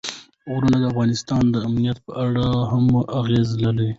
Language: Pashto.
غرونه د افغانستان د امنیت په اړه هم اغېز لري.